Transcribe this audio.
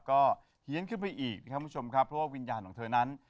ก็เหี้ยนขึ้นไปอีกเพราะว่าวิญญาณของเธอนั้น